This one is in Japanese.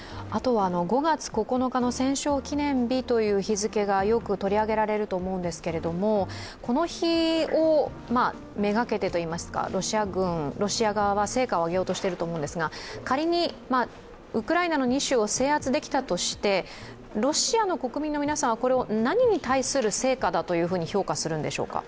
５月９日の戦勝記念日という日付がよく取り上げられると思うんですがこの日を目がけて、ロシア軍、ロシア側は成果を挙げようとしていると思うんですが仮にウクライナの２州を制圧できたとしてロシアの国民の皆さんは、これは何に対する成果だと評価するんでしょうか？